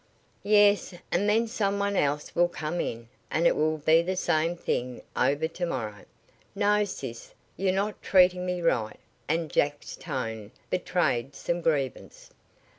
"Yes, and then some one else will come in, and it will be the same thing over to morrow. No, sis, you're not treating me right," and Jack's tone betrayed some grievance.